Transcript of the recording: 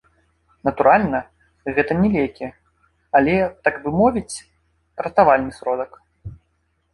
Натуральна, гэта не лекі, але, так бы мовіць, ратавальны сродак.